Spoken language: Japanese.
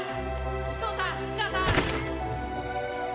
父さん、母さん！